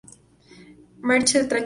Marge se tranquiliza.